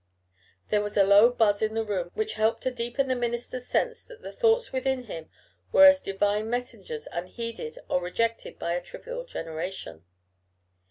There was a low buzz in the room which helped to deepen the minister's sense that the thoughts within him were as divine messengers unheeded or rejected by a trivial generation.